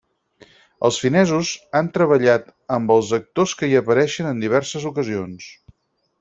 Els finesos han treballat amb els actors que hi apareixen en diverses ocasions.